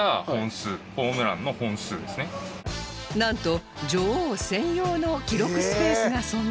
なんと女王専用の記録スペースが存在